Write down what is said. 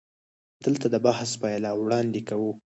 دلته د بحث پایله وړاندې کوو.